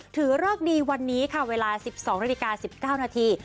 เริกดีวันนี้ค่ะเวลา๑๒นาฬิกา๑๙นาที